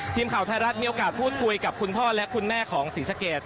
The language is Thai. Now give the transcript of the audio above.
ทีมข่าวไทยรัฐมีโอกาสพูดคุยกับคุณพ่อและคุณแม่ของศรีสะเกด